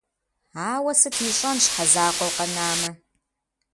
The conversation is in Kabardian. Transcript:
Ауэ сыт ищӀэн щхьэ закъуэу къэнамэ?